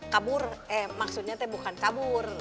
kabur eh maksudnya eh bukan kabur